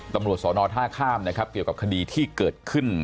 ตำรวจสอนอท่าข้ามนะครับเกี่ยวกับคดีที่เกิดขึ้น